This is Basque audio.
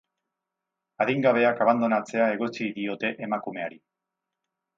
Adingabeak abandonatzea egotzi diote emakumeari.